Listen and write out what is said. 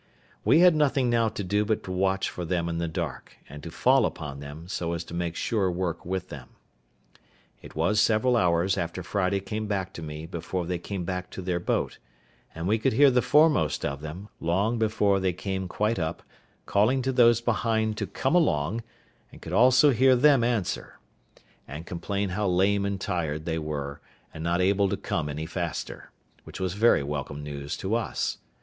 We had nothing now to do but to watch for them in the dark, and to fall upon them, so as to make sure work with them. It was several hours after Friday came back to me before they came back to their boat; and we could hear the foremost of them, long before they came quite up, calling to those behind to come along; and could also hear them answer, and complain how lame and tired they were, and not able to come any faster: which was very welcome news to us.